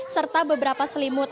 serta beberapa selimut